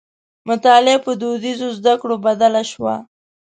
مطالعه په دودیزو زدکړو بدله شوه.